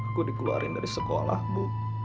aku dikeluarin dari sekolah bu